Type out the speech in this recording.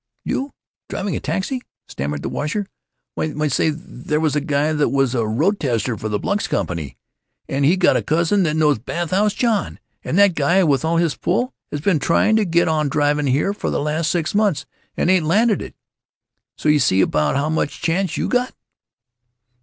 "You? Driving a taxi?" stammered the washer. "Why, say, there was a guy that was a road tester for the Blix Company and he's got a cousin that knows Bathhouse John, and that guy with all his pull has been trying to get on drivin' here for the last six months and ain't landed it, so you see about how much chance you got!"